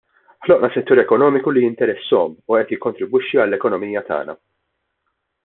Ħloqna settur ekonomiku li jinteressahom u qed jikkontribwixxi għall-ekonomija tagħna.